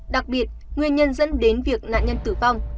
đặc biệt nguyên nhân dẫn đến việc nạn nhân tử vong